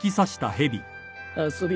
遊び